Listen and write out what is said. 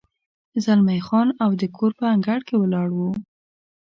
زلمی خان او د کور په انګړ کې ولاړ و.